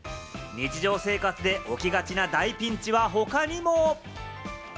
日常生活で起きがちな大ピンチは他にも。